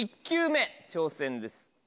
１球目挑戦です